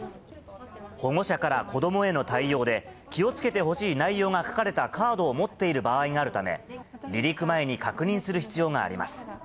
保護者から子どもへの対応で、気をつけてほしい内容が書かれたカードを持っている場合があるため、離陸前に確認する必要があります。